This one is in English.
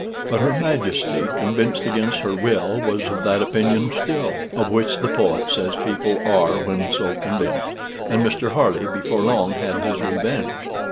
But her Majesty, convinced against her will, was of that opinion still, of which the poet says people are when so convinced, and Mr. Harley before long had his revenge.